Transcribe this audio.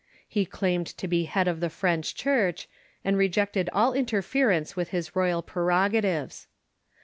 He claimed to be head of the French Church, and rejected all interference with his royal prerogatives.